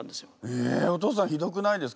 えお父さんひどくないですか。